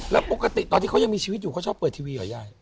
แล้วปกติตอนที่เขายังมีชีวิตอยู่เขาชอบเปิดทีวีเหรอยาย